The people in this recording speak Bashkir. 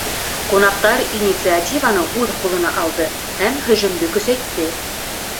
Ҡунаҡтар инициативаны үҙ ҡулына алды һәм һөжүмде көсәйтте